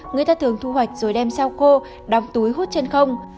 người ta thường thu hoạch rồi đem sao cô đóng túi hút chân không